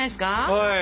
はい！